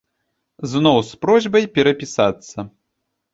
Зноў з просьбай перапісацца.